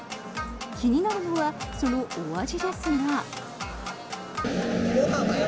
気になるのはそのお味ですが。